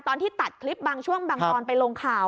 ตอนที่ตัดคลิปบางช่วงบางตอนไปลงข่าว